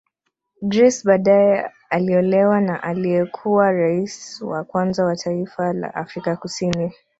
Grace badae aliolewa na aliyekuwa raisi wa kwanza wa taifa la Afrika Kusini